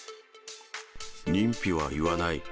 認否は言わない。